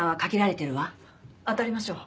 当たりましょう。